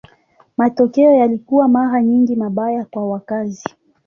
Matokeo yalikuwa mara nyingi mabaya kwa wakazi.